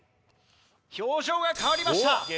表情が変わりました。